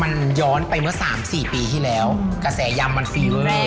มันย้อนไปเมื่อ๓๔ปีที่แล้วกระแสยำมันฟีเว้ย